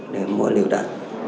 để mua liều đạn